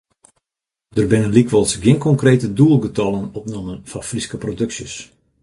Der binne lykwols gjin konkrete doelgetallen opnommen foar Fryske produksjes.